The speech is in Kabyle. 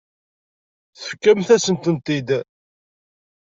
Tefkamt-asen-ten-id.